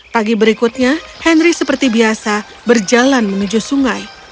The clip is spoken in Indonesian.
pagi berikutnya henry seperti biasa berjalan menuju sungai